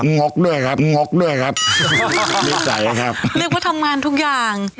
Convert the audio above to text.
งอกด้วยครับกำมือใสเรียกว่าทำงานทุกอย่าง